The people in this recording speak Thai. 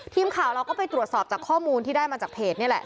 ทีมข่าวเราก็ไปตรวจสอบจากข้อมูลที่ได้มาจากเพจนี่แหละ